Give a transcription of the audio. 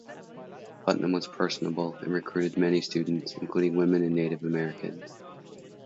Putnam was personable and recruited many students, including women and Native Americans.